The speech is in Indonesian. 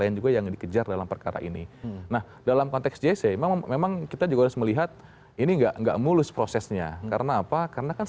yang juga nah dalam konteks jc memang kita juga harus melihat ini enggak enggak mulus prosesnya karena apa karena kan